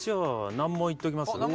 難問いっときます？